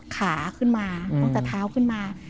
ขาขึ้นมาตั้งแต่เท้าขึ้นมา